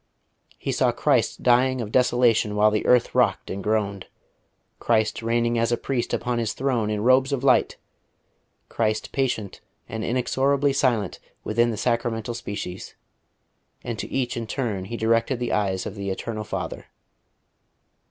He saw Christ dying of desolation while the earth rocked and groaned; Christ reigning as a priest upon His Throne in robes of light, Christ patient and inexorably silent within the Sacramental species; and to each in turn he directed the eyes of the Eternal Father....